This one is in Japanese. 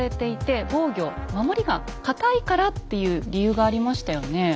防御守りが堅いからっていう理由がありましたよね。